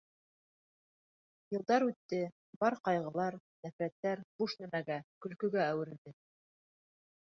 Йылдар үтте, бар ҡайғылар, нәфрәттәр буш нәмәгә, көлкөгә әүерелде.